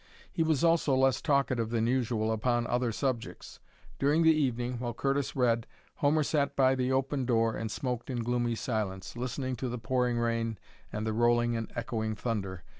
He was also less talkative than usual upon other subjects. During the evening, while Curtis read, Homer sat by the open door and smoked in gloomy silence, listening to the pouring rain and the rolling and echoing thunder.